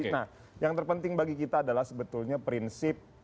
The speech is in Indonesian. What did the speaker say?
nah yang terpenting bagi kita adalah sebetulnya prinsip